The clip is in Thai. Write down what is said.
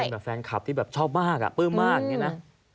อยากได้แบบแฟนคลัฟที่แบบชอบมากอะพื้นมากอย่างนี้นะ